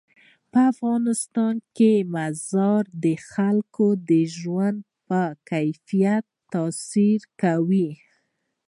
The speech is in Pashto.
په افغانستان کې مزارشریف د خلکو د ژوند په کیفیت تاثیر کوي.